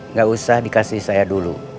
nggak usah dikasih saya dulu